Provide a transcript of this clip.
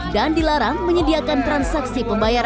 dan dilarang menyediakan transaksi